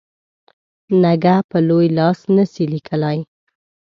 نږه په لوی لاس نه سي لیکلای.